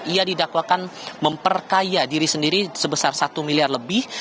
ia didakwakan memperkaya diri sendiri sebesar satu miliar lebih